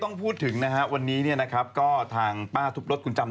ออกบ่อยมากคุณเนี่ยเป็นยุคของคุณประยุทธ์ออกบ่อยมาก